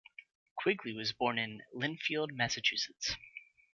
Quigley was born in Lynnfield, Massachusetts.